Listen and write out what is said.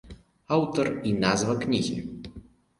Аўтар і назва кнігі.